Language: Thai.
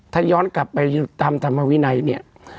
ถ้าย้อนกลับไปตามธรรมวินัยเนี่ย